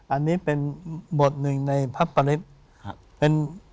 อันนี้เป็นบทหนึ่งในพระประฤติ